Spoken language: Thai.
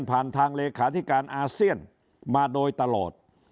ทางเลขาธิการอาเซียนมาโดยตลอด